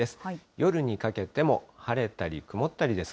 夜にかけても晴れたり曇ったりです。